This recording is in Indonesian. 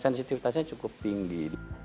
sensitivitasnya cukup tinggi